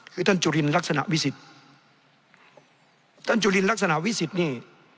คือท่านจุลินลักษณะวิสิทธิ์ท่านจุลินลักษณะวิสิทธิ์นี่